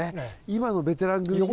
今のベテラン組が。